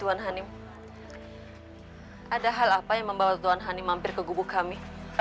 tuan hanim ada hal apa yang membawa tuan hanim hampir ke gubuk kami